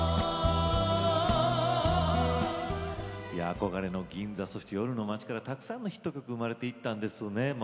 憧れの銀座、そして夜の街からたくさんのヒット曲が生まれていったんですよね。